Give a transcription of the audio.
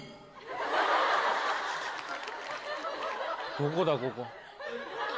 どこだここ？